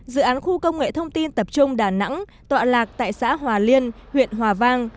dự án khu công nghệ thông tin tập trung đà nẵng tọa lạc tại xã hòa liên huyện hòa vang